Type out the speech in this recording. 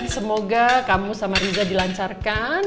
semoga kamu sama riza dilancarkan